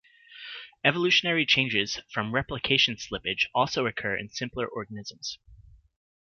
Evolutionary changes from replication slippage also occur in simpler organisms.